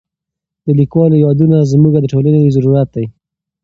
د لیکوالو یادونه زموږ د ټولنې ضرورت دی.